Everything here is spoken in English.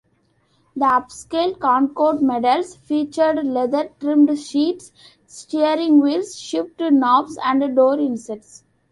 The upscale Concorde models featured leather-trimmed seats, steering wheels, shift knobs and door inserts.